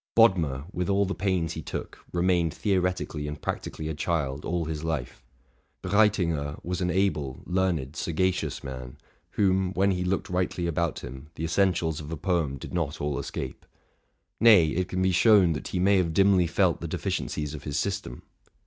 Bodmer, with all the pains he took, remained theoretically and practically a child all his life. Breitinger was an able, learned, sagacious man, whom, when he looked rightly about him, the essentials of a poem did not all escape, —nay, it can be shown that he may have dimly felt the defi ciencies of his system.